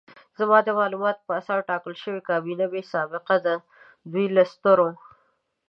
زما د معلوماتو په اساس ټاکل شوې کابینه بې سابقې ده، دوی له سترو